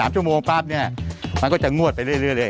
๓ชั่วโมงปั๊บเนี่ยมันก็จะงวดไปเรื่อย